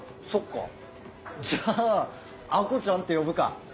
そっかじゃあ亜子ちゃんって呼ぶか。